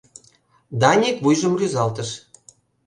Даник вуйжым рӱзалтыш.